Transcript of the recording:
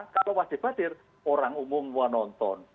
kalau wajib hadir orang umum mau nonton